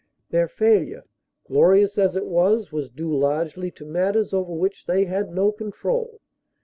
Their failure, glorious as it was, was due largely to matters over which they had no control.